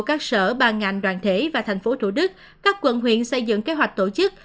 các sở ba ngành đoàn thể và tp thủ đức các quận huyện xây dựng kế hoạch tổ chức